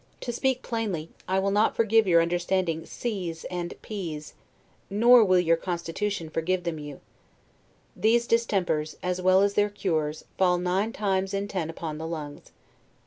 To speak plainly, I will not forgive your understanding c s and p s; nor will your constitution forgive them you. These distempers, as well as their cures, fall nine times in ten upon the lungs.